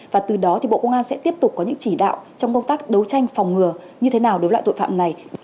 và từ đó thì bộ công an sẽ tiếp tục có những chỉ đạo trong công tác đấu tranh phòng ngừa như thế nào đối với loại tội phạm này